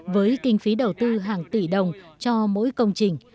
với kinh phí đầu tư hàng tỷ đồng cho mỗi công trình